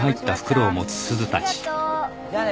じゃあね。